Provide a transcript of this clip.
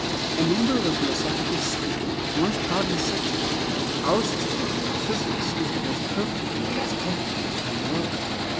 A member of a philosophical school once proudly said to me, "Our system of metaphysics is the most perfect and the most complicated in the world."